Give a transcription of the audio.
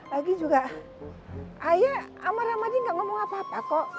lagi juga ayah sama ramadhan gak ngomong apa apa kok